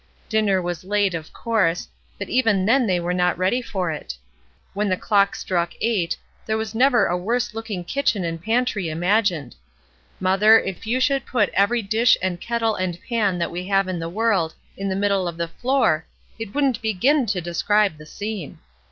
Dinner was late, of course, but even then they were not ready for it. When the clock struck eight, there was never a worse looking kitchen and pantry imagined. Mother, if you should put every dish and kettle and pan that we have in the world in the middle of the floor, it wouldn't begin to describe the scene.